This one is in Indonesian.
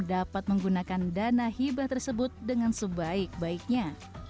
dapat menggunakan dana hibah tersebut dengan sebaik baiknya